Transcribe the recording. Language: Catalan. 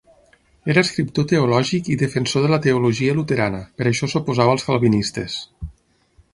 Era escriptor teològic i defensor de la teologia luterana, per això s'oposava als calvinistes.